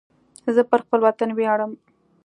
زه پر خپل وطن ویاړم